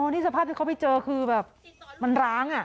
นี่สภาพที่เขาไปเจอคือแบบมันร้าง